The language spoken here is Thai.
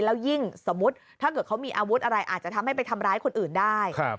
แล้วยิ่งสมมุติถ้าเกิดเขามีอาวุธอะไรอาจจะทำให้ไปทำร้ายคนอื่นได้